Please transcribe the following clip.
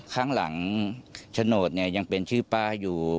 ข้างหลังโฉนดเนี่ยยังเป็นชื่อป้าอยู่